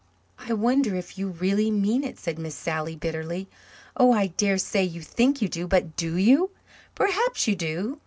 "I wonder if you really mean it," said Miss Sally bitterly. "Oh, I dare say you think you do. But do you? Perhaps you do.